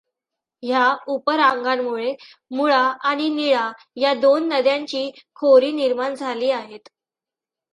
ह्या उपरांगांमुळे मुळा आणि निळा ह्या दोन नद्यांची खोरी निर्माण झाली आहेत.